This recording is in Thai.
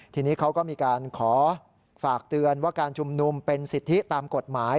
ทีนี้เขาก็มีการขอฝากเตือนว่าการชุมนุมเป็นสิทธิตามกฎหมาย